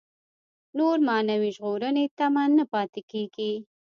نور د معنوي ژغورنې تمه نه پاتې کېږي.